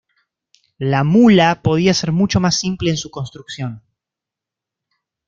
La 'mula' podía ser mucho más simple en su construcción.